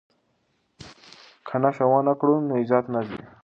که نشه ونه کړو نو عزت نه ځي.